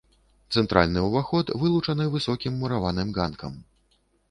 Цэнтральны ўваход вылучаны высокім мураваным ганкам.